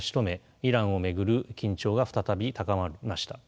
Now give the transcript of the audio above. イランを巡る緊張が再び高まりました。